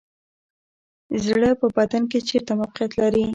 زړه په بدن کې چیرته موقعیت لري